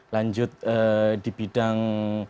lanjut di bidang